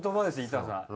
板さん。